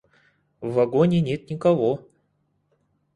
В вагоне нет никого.